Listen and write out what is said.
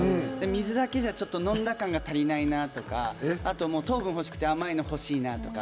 水だけじゃ、なんか飲んだ感が足りないなとかあと糖分ほしくて甘いの欲しいなとか。